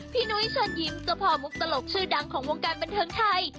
พี่นุ้ยช่วยยิ้มจะพอมุมตลกชื่อดังของวงการบรรเทิงไทย